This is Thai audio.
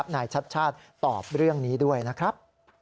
นายชัดชาติตอบเรื่องนี้ด้วยนะครับ